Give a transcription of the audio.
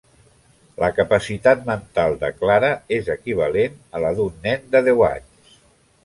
La capacitat mental de Clara és equivalent a la d'un nen de deu anys.